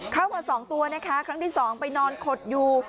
เข้ามาสองตัวนะคะครั้งที่สองไปนอนขดอยู่